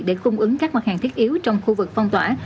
để cung ứng các mặt hàng thiết yếu trong khu vực phong tỏa